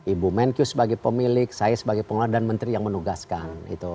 ibu menkyu sebagai pemilik saya sebagai pengelola dan menteri yang menugaskan